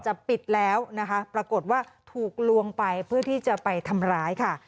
ปิดแล้วนะคะปรากฏว่าถูกลวงไปเพื่อที่จะไปทำร้ายค่ะ